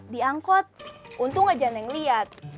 diangkut untung aja neng liat